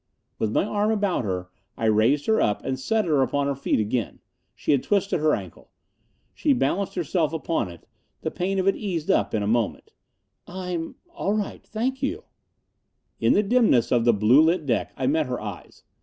With my arm about her, I raised her up and set her upon her feet again. She had twisted her ankle. She balanced herself upon it. The pain of it eased up in a moment. "I'm all right thank you!" In the dimness of the blue lit deck, I met her eyes.